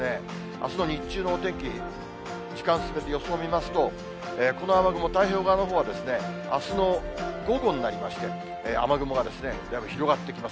あすの日中のお天気、時間進めて予想を見ますと、この雨雲、太平洋側のほうは、あすの午後になりまして、雨雲がですね、だいぶ広がってきます。